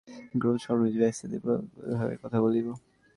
আমি ক্রমশ কর্মজীবনে বেদান্তের প্রভাবের কথা বলিব।